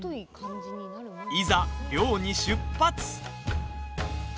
いざ、漁に出発。